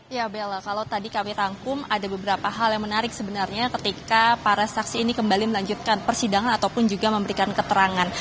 ya bella kalau tadi kami rangkum ada beberapa hal yang menarik sebenarnya ketika para saksi ini kembali melanjutkan persidangan ataupun juga memberikan keterangan